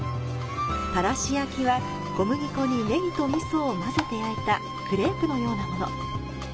たらし焼きは、小麦粉にネギと味噌を混ぜて焼いたクレープのようなもの。